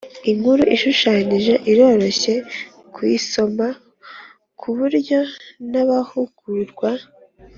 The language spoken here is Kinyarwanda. Inkuru ishushanyije iroroshye kuyisoma ku buryo n abahugurwa